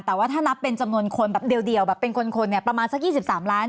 แต่ว่าถ้านับเป็นจำนวนคนแบบเดียวแบบเป็นคนเนี่ยประมาณสัก๒๓ล้าน